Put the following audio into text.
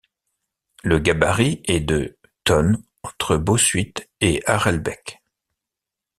Le gabarit est de tonnes entre Bossuit et Harelbeke.